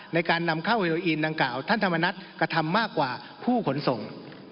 ในการนำเข้าเฮโรอีนดังกล่าวท่านธรรมนัฐกระทำมากกว่าผู้ขนส่ง